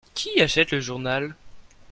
Qui achète le journal ?